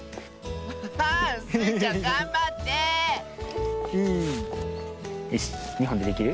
アハハースイちゃんがんばってよし２ほんでできる？